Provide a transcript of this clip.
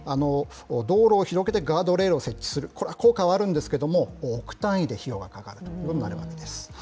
道路を広げてガードレールを設置する、これは効果はあるんですけれども、億単位で費用がかかるということになるわけです。